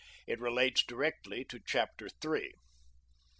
It relates directly to chapter three.